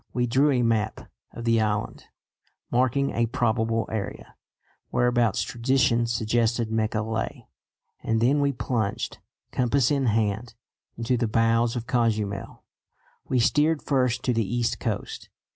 We drew a map of the island, marking a "probable area" whereabouts tradition suggested Mecca lay, and then we plunged, compass in hand, into the bowels of Cozumel. We steered first to the east coast.